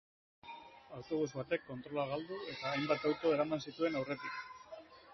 Autobus batek kontrola galdu, eta hainbat auto eraman zituen aurretik.